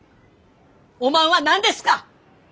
おまんは何ですか！？